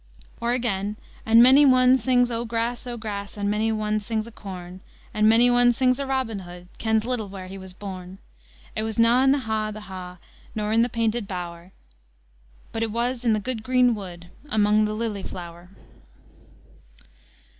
Or again, "And mony ane sings o' grass, o' grass, And mony ane sings o' corn; An mony ane sings o' Robin Hood, Kens little whare he was born. It was na in the ha', the ha', Nor in the painted bower; But it was in the gude green wood, Amang the lily flower."